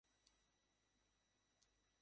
আপনি এত বড় ঝুঁকি কেন নিচ্ছেন?